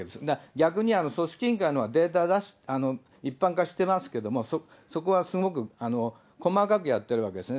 逆に組織委員会のはデータ、一般化してますけど、そこはすごく細かくやってるわけですね。